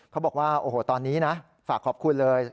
เขาบอกว่าโอ้โหตอนนี้นะฝากขอบคุณเลย